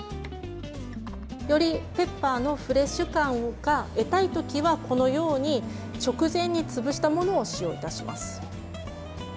よりペッパーのフレッシュ感を得たいときは直前に潰したものを使用いたします。